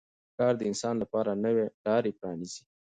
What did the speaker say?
کار د انسان لپاره نوې لارې پرانیزي